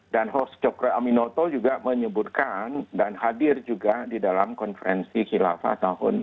dan hos chokre aminoto juga menyebutkan dan hadir juga di dalam konferensi khilafah